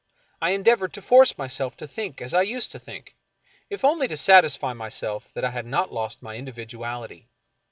I endeavored to force myself to think as I used to think, if only to satisfy myself that I had not lost my individuality.